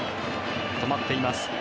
止まっています。